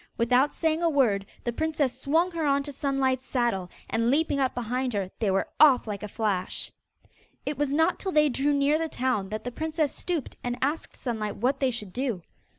Without saying a word, the princess swung her into Sunlight's saddle, and leaping up behind her, they were off like a flash. It was not till they drew near the town that the princess stooped and asked Sunlight what they should do.